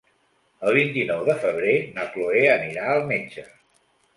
El vint-i-nou de febrer na Cloè anirà al metge.